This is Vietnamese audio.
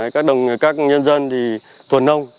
các nhân dân thì thuần nông